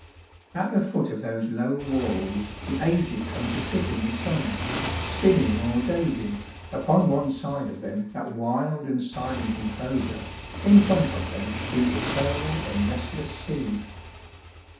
At the foot of those low walls the aged come to sit in the sun, spinning or dozing, upon one side of them that wild and silent enclosure, in front of them the eternal and restless sea.